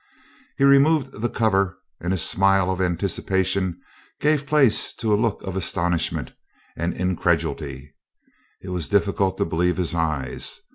He removed the cover and his smile of anticipation gave place to a look of astonishment and incredulity. It was difficult to believe his eyes!